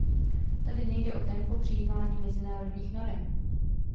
Tady nejde o tempo přijímání mezinárodních norem.